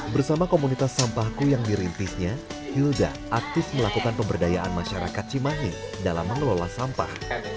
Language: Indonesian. bersama komunitas sampahku yang dirintisnya hilda aktif melakukan pemberdayaan masyarakat cimahi dalam mengelola sampah